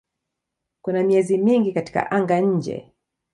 Kuna miezi mingi katika anga-nje.